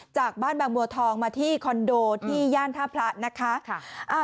จากบ้านบางบัวทองมาที่คอนโดที่ย่านท่าพระนะคะ